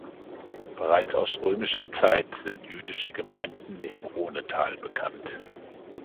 Bereits aus römischer Zeit sind jüdische Gemeinden im Rhonetal bekannt.